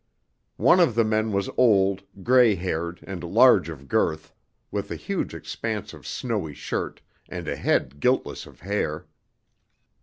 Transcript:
One of the men was old, grey haired, and large of girth, with a huge expanse of snowy shirt, and a head guiltless of hair.